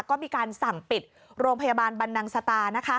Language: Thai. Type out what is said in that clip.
ก็มีการสั่งปิดโรงพยาบาลบรรนังสตา